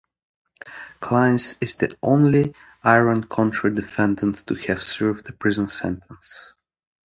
Clines is the only Iran-Contra defendant to have served a prison sentence.